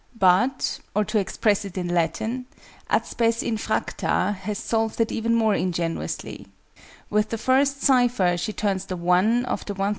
But (or to express it in Latin) AT SPES INFRACTA has solved it even more ingeniously: with the first cypher she turns the "1" of the 1,000_l.